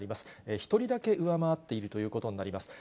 １人だけ上回っているということになります。